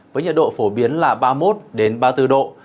với nhiệt độ phổ biến là ba mươi một ba mươi bốn độ